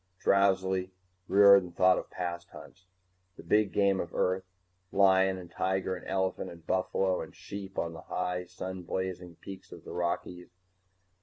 _ Drowsily, Riordan thought of past hunts. The big game of Earth, lion and tiger and elephant and buffalo and sheep on the high sun blazing peaks of the Rockies.